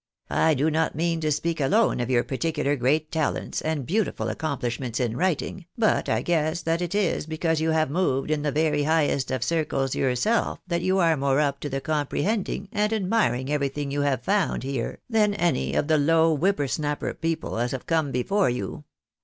I do not mean to speak alone of your particular great talents and beautiful accomplishments in writing, but I guess that it is because you have moved in the very highest of circles yourself that you are more up to the comprehending and admiring everything you have found here, than any of the low, whipper snapper people as have come before you.